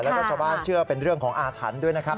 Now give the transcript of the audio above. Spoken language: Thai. แล้วก็ชาวบ้านเชื่อเป็นเรื่องของอาถรรพ์ด้วยนะครับ